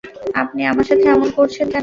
আপনি আমার সাথে এমন করছেন কেন?